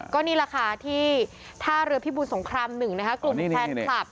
ก็นี่แหละค่ะที่ท่าเรือพิบูรสงคราม๑นะคะกลุ่มแฟนคลับ